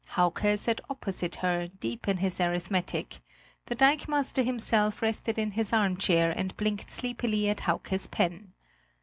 Hauke sat opposite her, deep in his arithmetic; the dikemaster himself rested in his armchair and blinked sleepily at Hauke's pen.